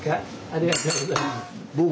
ありがとうございます。